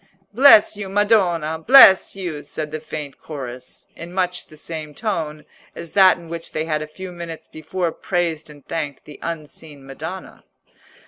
"Bless you, madonna! bless you!" said the faint chorus, in much the same tone as that in which they had a few minutes before praised and thanked the unseen Madonna.